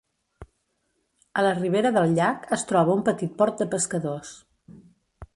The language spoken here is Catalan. A la ribera del llac es troba un petit port de pescadors.